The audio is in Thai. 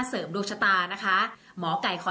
ส่งผลทำให้ดวงชาวราศีมีนดีแบบสุดเลยนะคะ